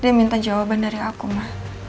dia minta jawaban dari aku mah